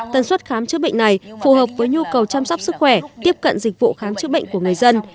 tần suất khám chữa bệnh này phù hợp với nhu cầu chăm sóc sức khỏe tiếp cận dịch vụ khám chữa bệnh của người dân